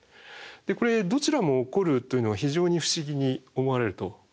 これどちらも起こるというのは非常に不思議に思われるというふうに思います。